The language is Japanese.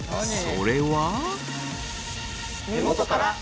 それは。